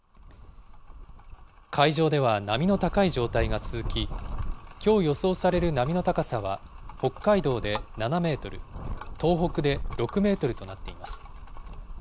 海上では波の高い状態が続き、きょう予想される波の高さは、北海道で７メートル、東北で６メートルとなっています。